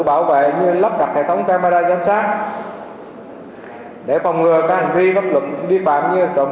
bảo vệ như lắp đặt hệ thống camera giám sát để phòng ngừa các hành vi pháp luật vi phạm như trộm